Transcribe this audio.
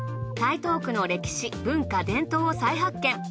台東区の歴史文化伝統を再発見。